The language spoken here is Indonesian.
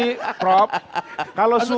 kalau sumo kan bunyi